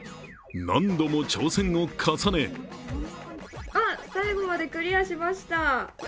何度も挑戦を重ねお、最後までクリアしました！